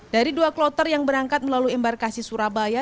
dari dua kloter yang berangkat melalui embarkasi surabaya